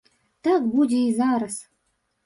Так будзе і зараз.